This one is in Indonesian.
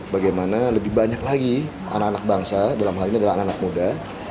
bagaimana lebih banyak lagi anak anak bangsa dalam hal ini adalah anak anak muda